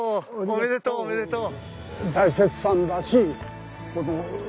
おめでとうおめでとう。